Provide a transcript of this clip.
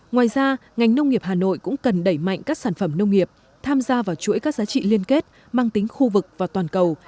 ngoài ra ngành nông nghiệp hà nội cũng cần đẩy mạnh các sản phẩm nông nghiệp tham gia vào chuỗi các giá trị liên kết mang tính khu vực và toàn cầu